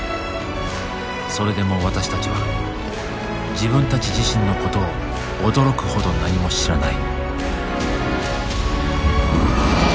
それでも私たちは自分たち自身のことを驚くほど何も知らない。